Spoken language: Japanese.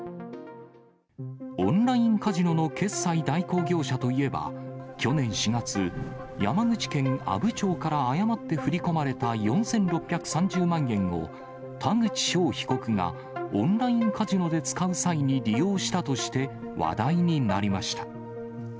オンラインカジノの決済代行業者といえば、去年４月、山口県阿武町から誤って振り込まれた４６３０万円を田口翔被告が、オンラインカジノで使う際に利用したとして、話題になりました。